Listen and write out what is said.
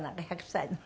１００歳の。